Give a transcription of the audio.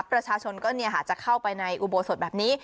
ประชาชนก็จะเข้าไปในอุโบสถแบบนี้